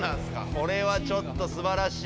これはちょっとすばらしい。